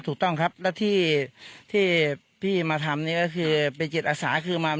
ถูกต้องครับแล้วที่พี่มาทำนี่ก็คือเป็นจิตอาสาคือมา